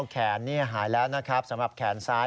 แขนหายแล้วนะครับสำหรับแขนซ้าย